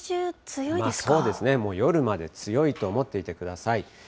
そうですね、もう夜まで強いと思っていてください。